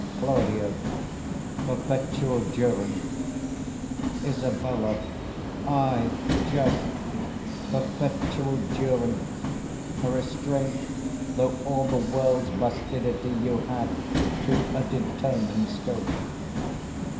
Claud. Perpetual durance? Isab. Ay, just; perpetual durance, a restraint, Though all the world's vastidity you had, 70 To a determined scope.